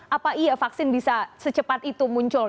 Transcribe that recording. apa iya vaksin bisa secepat itu muncul